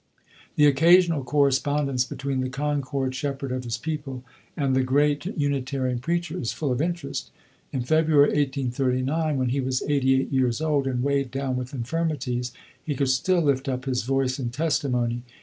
The occasional correspondence between the Concord shepherd of his people and the great Unitarian preacher is full of interest. In February, 1839, when he was eighty eight years old and weighed down with infirmities, he could still lift up his voice in testimony.